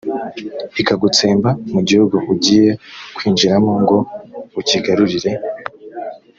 ikagutsemba mu gihugu ugiye kwinjiramo ngo ukigarurire.